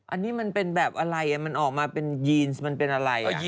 อันนี้มันเป็นแบบอะไรมันออกมาเป็นยีนมันเป็นอะไร